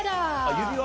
指輪？